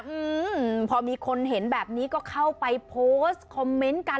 อืมพอมีคนเห็นแบบนี้ก็เข้าไปโพสต์คอมเมนต์กัน